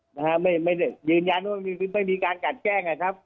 นะฮะไม่ไม่ได้ยืนยันว่าไม่มีการกัดแกล้งอ่ะครับ